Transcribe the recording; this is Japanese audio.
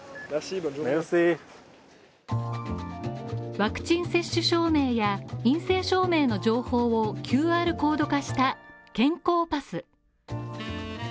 ワクチン接種証明や陰性証明の情報をＱＲコード化した健康パス。